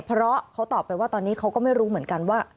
เพราะเขาตอบไปว่าตอนนี้เขาก็ไม่รู้เหมือนกันว่า